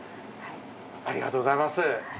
ありがとうございます。